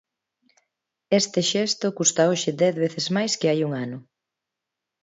Este xesto custa hoxe dez veces máis que hai un ano.